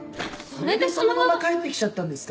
それでそのまま帰ってきちゃったんですか？